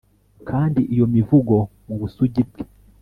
kandi iyo mivugo mubusugi bwe